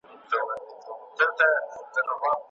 د خلکو روغتیا خوندي شي.